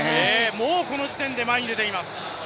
もうこの時点で前に出ています。